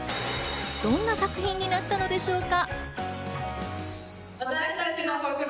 どんな作品になったのでしょうか。